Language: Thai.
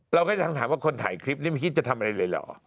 เราก็ยังถามว่าคนถ่ายคลิปนี้ไม่คิดจะทำอะไรเลยเหรอ